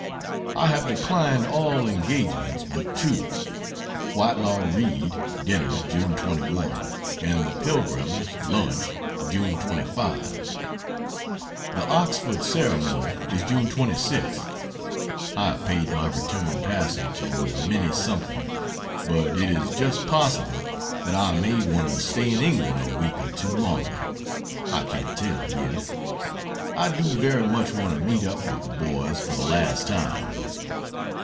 I have declined all engagements but two Whitelaw Reid (dinner) June 21, and the Pilgrims (lunch), June 25. The Oxford ceremony is June 26. I have paid my return passage in the Minne something, but it is just possible that I may want to stay in England a week or two longer I can't tell, yet. I do very much want to meet up with the boys for the last time.